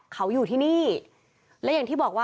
ขอบคุณครับ